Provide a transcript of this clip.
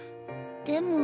でも。